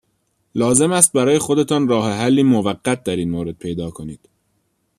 لازم است برای خودتان راه حلی موقت در این مورد پیدا کنید.